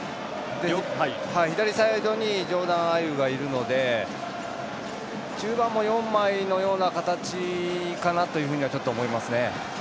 左サイドにジョーダン・アイウがいるので中盤も４枚のような形かなというふうにはちょっと思いますね。